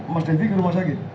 mas denny ke rumah sakit